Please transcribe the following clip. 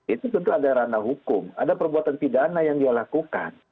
itu tentu ada ranah hukum ada perbuatan pidana yang dia lakukan